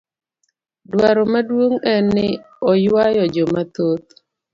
Dwaro maduong' en ni oywayo jo mathoth.